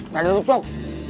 dari dulu cok